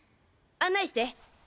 案内して！